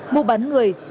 mua bắn người